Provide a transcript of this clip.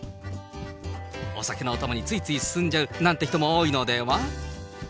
お酒のお供についつい進んじゃう、なんて人も多いのでは。